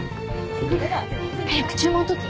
早く注文取って。